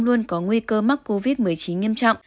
luôn có nguy cơ mắc covid một mươi chín nghiêm trọng